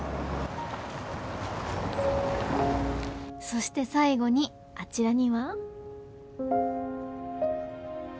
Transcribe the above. そして最後にあちらには。